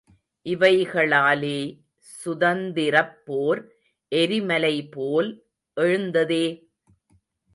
இவைக ளாலே சுதந்தி ரப்போர் எரிம லைபோல் எழுந்ததே!